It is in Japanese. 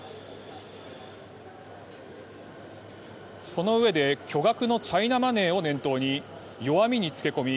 そのうえで巨額のチャイナマネーを念頭に弱みに付け込み